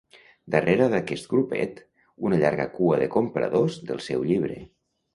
Darrera d'aquest grupet, una llarga cua de compradors del seu llibre.